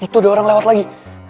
itu udah orang lewat lagi